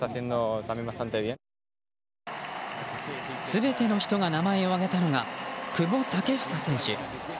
全ての人が名前を挙げたのが久保建英選手。